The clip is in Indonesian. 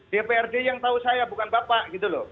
dprd yang tahu saya bukan bapak gitu loh